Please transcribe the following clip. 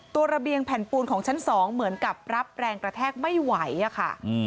ระเบียงแผ่นปูนของชั้น๒เหมือนกับรับแรงกระแทกไม่ไหวอะค่ะ